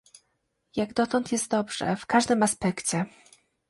Jak dotąd jest dobrze - w każdym aspekcie!